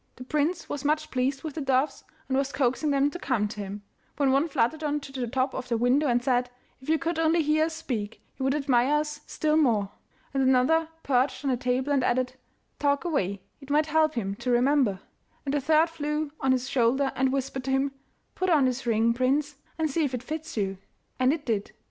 The prince was much pleased with the doves and was coaxing them to come to him, when one fluttered on to the top of the window and said, 'If you could only hear us speak, you would admire us still more.' And another perched on a table and added, 'Talk away, it might help him to remember!' And the third flew on his shoulder and whispered to him, 'Put on this ring, prince, and see if it fits you.' And it did.